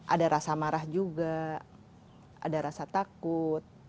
ada rasa marah juga ada rasa takut